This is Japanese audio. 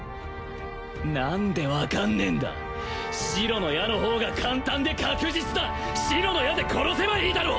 何で分かんねえんだ白の矢の方が簡単で確実だ白の矢で殺せばいいだろ！